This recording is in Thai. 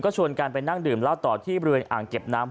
ชวนกันไปนั่งดื่มเหล้าต่อที่บริเวณอ่างเก็บน้ำ